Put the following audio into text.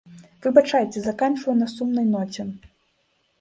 Выбачайце, заканчваю на сумнай ноце.